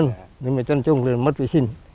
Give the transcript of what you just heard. nhưng mà trôn trung thì mất vị sinh